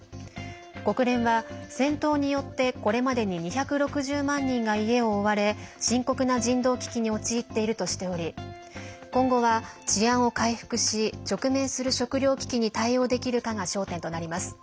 国連は戦闘によって、これまでに２６０万人が家を追われ深刻な人道危機に陥っているとしており今後は治安を回復し直面する食料危機に対応できるかが焦点となります。